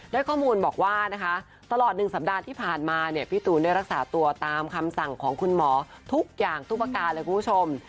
ได้ข้อมูลบอกว่านะคะตลอด๑สัปดาห์ที่ผ่านมาเนี่ยพี่ตูนได้รักษาตัวตามคำสั่งของคุณหมอทุกอย่างทุกประการเลยคุณผู้ชม